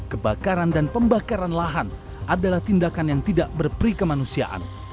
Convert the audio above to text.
kebakaran dan pembakaran lahan adalah tindakan yang tidak berperi kemanusiaan